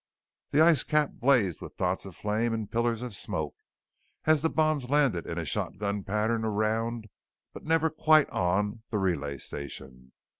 The ice cap blazed with dots of flame and pillars of smoke as the bombs landed in a shotgun pattern around, but never quite on, the relay station.